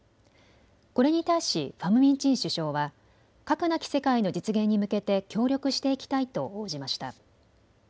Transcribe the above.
これに対しファム・ミン・チン首相は核なき世界の実現に向けて協力していきたいと応じました。